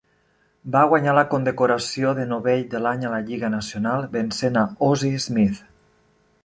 Va guanyar la condecoració de novell de l"any a la Lliga Nacional, vencent a Ozzie Smith.